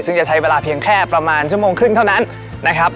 ซึ่งจะใช้เวลาเพียงแค่ประมาณชั่วโมงครึ่งเท่านั้นนะครับ